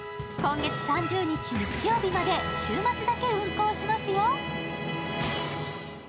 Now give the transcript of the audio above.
今月３０日日曜日まで週末だけ運行しますよ。